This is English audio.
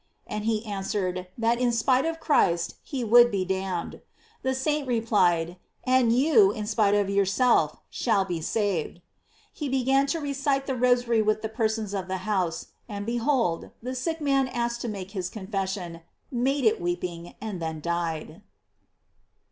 And he answered, that in spite of Christ he would be damned. The saint replied: "And you, in spite of yourself, shall be saved." He began to recite the Rosary with the persons of the house, and behold, the sick man asked to make his confession, made it weeping, and then died.